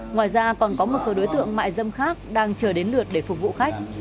ngoài ra còn có một số đối tượng mại dâm khác đang chờ đến lượt để phục vụ khách